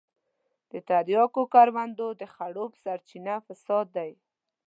د تریاکو کروندو د خړوب سرچينه فساد دی.